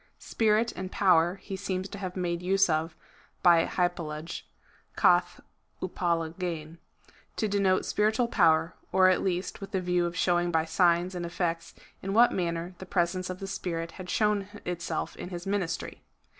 Spirit and power he seems to have made use of by hypal lage,^ («a^' vTraWayrjv,) to denote spiritual poiuer, or at least with the view of showing by signs and effects in what manner the presence of the Spirit had shown itself in his ministry.